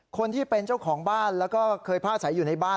คนที่เป็นเจ้าของบ้านแล้วก็เคยผ้าใสอยู่ในบ้าน